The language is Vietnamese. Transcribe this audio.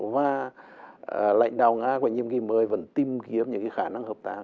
và lãnh đạo nga và nhiệm kỳ mới vẫn tìm kiếm những cái khả năng hợp tác